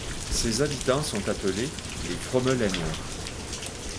Ses habitants sont appelés les Fromelennois.